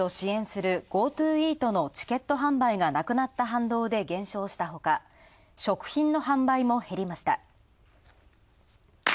飲食業界を支援する、ＧｏＴｏＥａｔのチケット販売がなくなった反動で減少したほか、食品の販売も減りました。